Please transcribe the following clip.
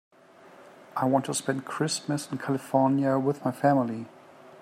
I want to spend Christmas in California with my family.